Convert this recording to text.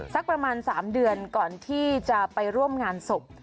สักประมาณ๓เดือนก่อนที่จะไปร่วมงานศพ